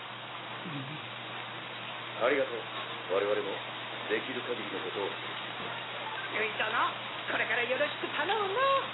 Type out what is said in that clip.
ゆい「ありがとうわれわれもできるかぎりのことをする」「ゆい殿これからよろしくたのむの」